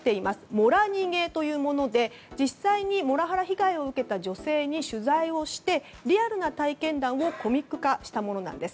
「モラニゲ」というもので実際にモラハラ被害を受けた女性に取材をしてリアルな体験談をコミック化したものなんです。